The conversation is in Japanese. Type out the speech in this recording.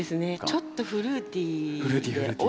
ちょっとフルーティーで。